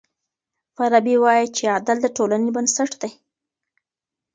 فارابي وايي چي عدل د ټولني بنسټ دی.